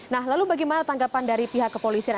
nah lalu bagaimana tanggapan dari pihak kepolisian